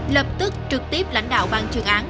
lập tức trực tiếp lãnh đạo bang trường án